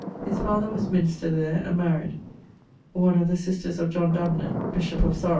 His father was minister there, and maried ..., one of the sisters of John Davenant, bishop of Sarum.